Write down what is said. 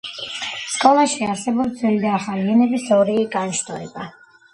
სკოლაში არსებობს ძველი და ახალი ენების ორი განშტოება.